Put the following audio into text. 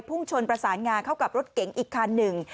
ชนประสานงาเข้ากับรถเก๋งอีกคันหนึ่ง